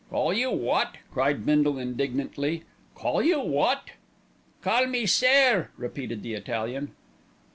"Call you wot?" cried Bindle indignantly. "Call you wot?" "Call me sair," repeated the Italian.